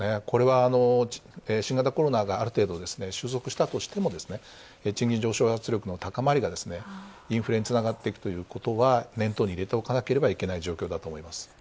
これは新型コロナがある程度、収束したとしても賃金上昇圧力の高まりがインフレにつながっているということは念頭に入れておかなければいけない状況だと思います。